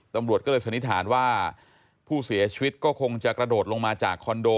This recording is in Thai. ตำรวจก็เลยสันนิษฐานว่าผู้เสียชีวิตก็คงจะกระโดดลงมาจากคอนโด